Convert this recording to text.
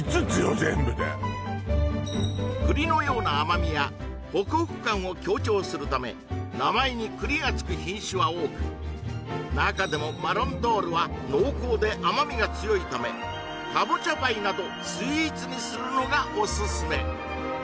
全部で栗のような甘みやホクホク感を強調するため名前に栗がつく品種は多く中でもマロンドールは濃厚で甘みが強いためカボチャパイなどスイーツにするのがおすすめ！